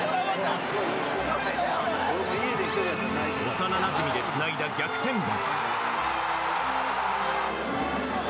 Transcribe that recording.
幼なじみでつないだ逆転弾。